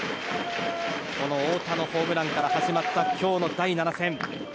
太田のホームランから始まった今日の第７戦。